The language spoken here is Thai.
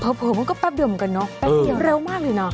เผลอมันก็แป๊บเดียวเหมือนกันเนาะแป๊บเดียวเร็วมากเลยนะ